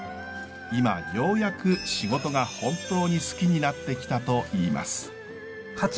今ようやく仕事が本当に好きになってきたといいます。